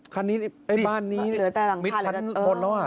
บ้านนี้เหลือแต่หลังภาคมิตรทั้งหมดแล้ว